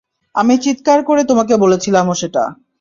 আমি চিৎকার করে তোমাকে বলছিলামও সেটা!